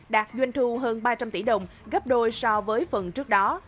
đạt doanh thu hơn ba trăm linh tỷ đồng gấp đôi so với phần trước đó